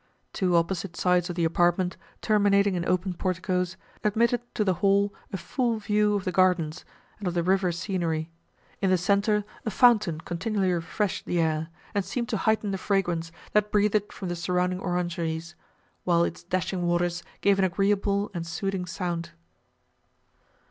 Two opposite sides of the apartment, terminating in open porticos, admitted to the hall a full view of the gardens, and of the river scenery; in the centre a fountain continually refreshed the air, and seemed to heighten the fragrance, that breathed from the surrounding orangeries, while its dashing waters gave an agreeable and soothing sound.